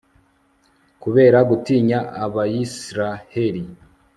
kubera gutinya abayisraheli